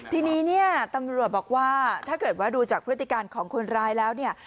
ทีนี้เนี่ยตำรวจบอกว่าถ้าเกิดว่าดูจากพฤติการของคนร้ายแล้วเนี่ย